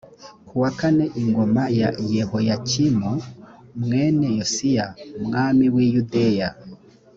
kuwa kane, ingoma ya yehoyakimu mwene yosiya umwami wi yudeya.